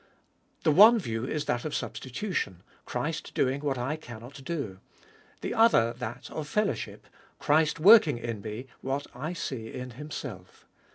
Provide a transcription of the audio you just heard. The one view is that of substitution : Christ doing what I cannot do. The other that of fellowship : Christ working in me what I see in Himself.